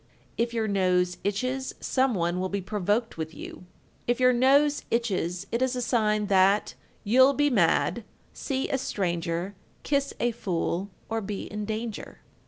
1357. If your nose itches, some one will be provoked with you. 1358. If your nose itches, it is a sign that You'll be mad, See a stranger, Kiss a fool, Or be in danger.